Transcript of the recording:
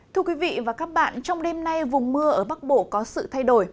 thưa quý vị và các bạn trong đêm nay vùng mưa ở bắc bộ có sự thay đổi